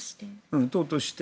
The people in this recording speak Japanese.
党として？